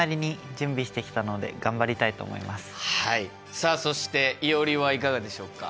さあそしていおりはいかがでしょうか？